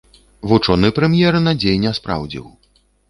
Вучоны прэм'ер надзей не спраўдзіў.